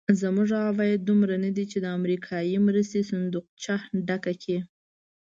زموږ عواید دومره ندي چې د امریکایي مرستې صندوقچه ډکه کړي.